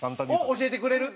を教えてくれる？